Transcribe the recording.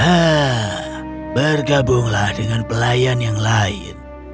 ah bergabunglah dengan pelayan yang lain